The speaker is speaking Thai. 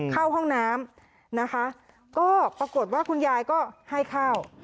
เข้าห้องน้ำนะคะก็ปรากฏว่าคุณยายก็ให้ข้าว